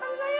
oh ini dong